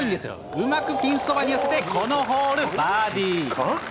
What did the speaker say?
うまくピンそばに寄せて、このホール、バーディー。